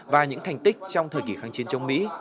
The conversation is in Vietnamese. và những thành tích trong thời kỳ kháng chiến chống mỹ